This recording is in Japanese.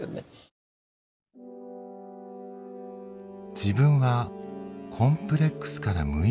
自分はコンプレックスから無意識に